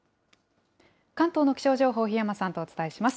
関東の気象情報、檜山さんとお伝えします。